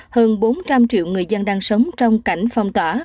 hơn bốn trăm linh triệu người dân đang sống trong cảnh phong tỏa